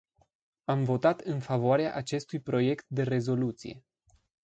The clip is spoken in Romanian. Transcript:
Am votat în favoarea acestui proiect de rezoluție.